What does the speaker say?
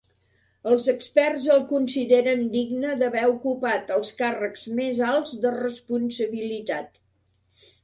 Els experts el consideren digne d'haver ocupat els càrrecs més alts de responsabilitat.